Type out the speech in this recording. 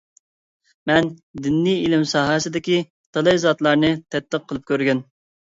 مەن دىنىي ئىلىم ساھەسىدىكى تالاي زاتلارنى تەتقىق قىلىپ كۆرگەن.